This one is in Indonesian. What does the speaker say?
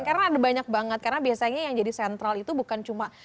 karena ada banyak banget karena biasanya yang jadi sentral itu bukan cuma